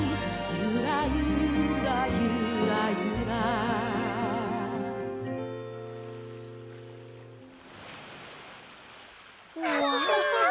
「ゆーらゆーらゆーらゆーら」わ！